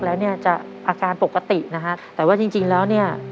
แล้วเนี่ยจะอาการปกตินะฮะแต่ว่าจริงจริงแล้วเนี่ย